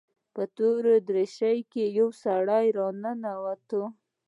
په توره دريشي کښې يو سړى راننوت.